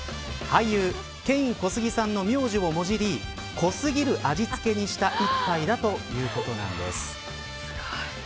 俳優ケイン・コスギさんの名字をもじり濃すぎる味付けにした一杯だということなんです。